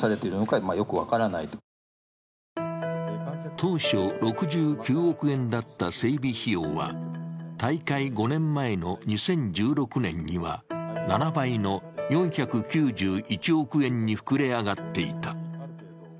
当初６９億円だった整備費用は大会５年前の２０１６年には７倍の４９１億円に膨れ上がっていた。